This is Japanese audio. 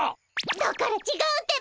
だからちがうってば！